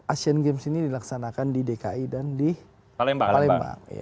asean games ini dilaksanakan di dki dan di palembang